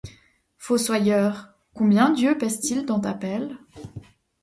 Fossoyeur, combien Dieu pèse-t-il dans ta pelle ?